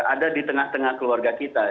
ada di tengah tengah keluarga kita